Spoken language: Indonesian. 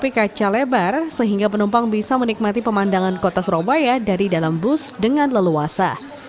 bus ini juga dilengkapi kaca lebar sehingga penumpang bisa menikmati pemandangan kota surabaya dari dalam bus dengan leluasa